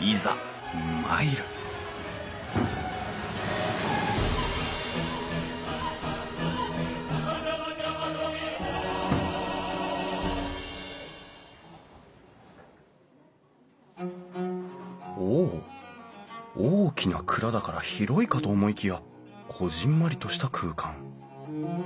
いざ参るお大きな蔵だから広いかと思いきやこぢんまりとした空間。